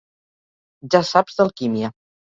Ja saps d'alquímia.